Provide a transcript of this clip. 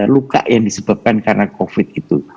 luka yang disebabkan karena covid itu